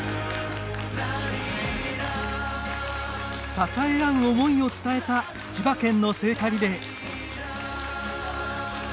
支え合う思いを伝えた千葉県の聖火リレー。